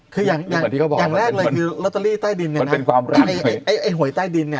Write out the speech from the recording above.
คืออย่างแรกเลยคือล็อตเตอรี่ใต้ดินไอ้หวยใต้ดิน